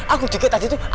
aku juga tadi tuh